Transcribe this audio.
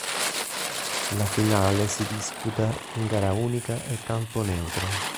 La finale si disputa in gara unica e campo neutro.